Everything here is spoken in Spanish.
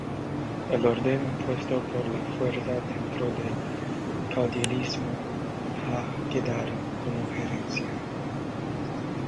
El orden impuesto por la fuerza dentro del caudillismo ha quedado como herencia.